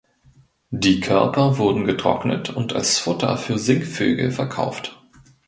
Die Körper wurden getrocknet und als Futter für Singvögel verkauft.